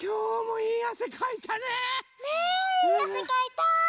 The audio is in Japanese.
いいあせかいた。